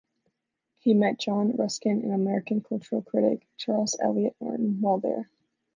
He met John Ruskin and American cultural critic, Charles Eliot Norton while there.